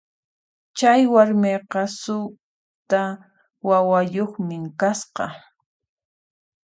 Chay warmiqa suqta wawayuqmi kasqa.